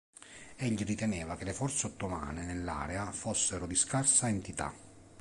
Egli riteneva che le forze ottomane nell'area fossero di scarsa entità.